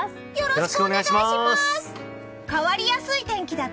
よろしくお願いします！